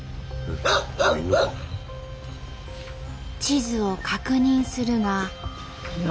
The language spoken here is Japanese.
地図を確認するが。